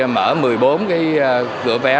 mở một mươi bốn cửa vé